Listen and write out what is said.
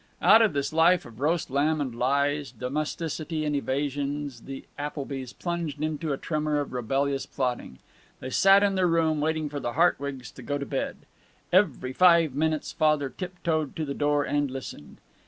Out of this life of roast lamb and lies, domesticity and evasions, the Applebys plunged into a tremor of rebellious plotting. They sat in their room, waiting for the Hartwigs to go to bed. Every five minutes Father tiptoed to the door and listened.